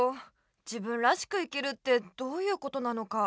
自分らしく生きるってどういうことなのか。